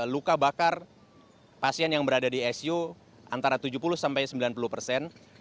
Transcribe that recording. luka bakar pasien yang berada di icu antara tujuh puluh sampai sembilan puluh persen